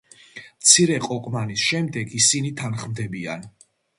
მცირე ყოყმანის შემდეგ ისინი თანხმდებიან.